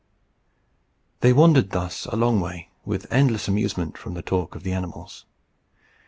They wandered thus a long way, with endless amusement from the talk of the animals.